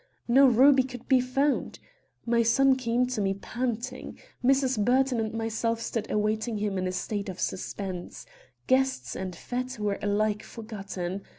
No ruby could be found. My son came to me panting. Mrs. Burton and myself stood awaiting him in a state of suspense. Guests and fête were alike forgotten.